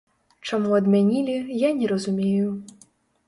Чаму адмянілі, я не разумею.